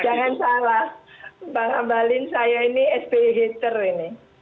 jangan salah bang abalin saya ini sby hater ini